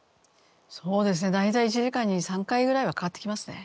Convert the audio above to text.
そうですね大体一時間に３回ぐらいはかかってきますね。